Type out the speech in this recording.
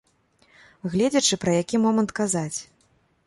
Гледзячы, пра які момант казаць.